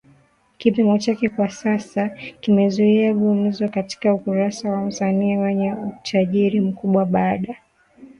kipimo chake kwa sasa kimezua gumzo katika ukurasa wa wasanii wenye utajiri mkubwa baada